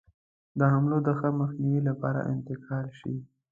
د حملو د ښه مخنیوي لپاره انتقال شي.